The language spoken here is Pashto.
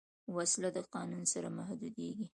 وسله د قانون سره محدودېږي